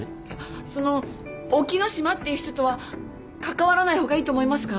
その沖野島っていう人とは関わらない方がいいと思いますか？